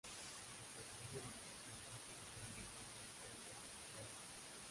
Reforzados los patriotas, pusieron en fuga la tropa realista.